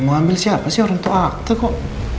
mau ambil siapa sih orang tua akte kok